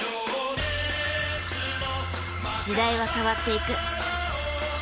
時代は変わっていく。